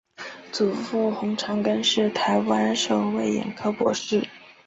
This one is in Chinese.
祖父洪长庚是台湾首位眼科博士。